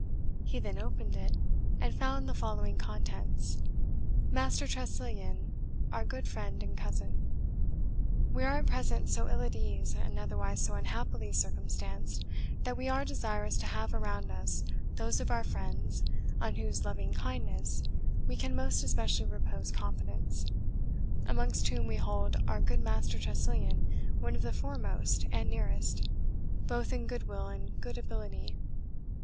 He then opened it, and found the following contents: "MASTER TRESSILIAN, OUR GOOD FRIEND AND COUSIN, "We are at present so ill at ease, and otherwise so unhappily circumstanced, that we are desirous to have around us those of our friends on whose loving kindness we can most especially repose confidence; amongst whom we hold our good Master Tressilian one of the foremost and nearest, both in good will and good ability.